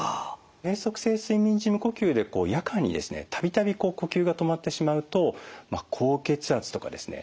閉塞性睡眠時無呼吸で夜間にですね度々呼吸が止まってしまうと高血圧とかですね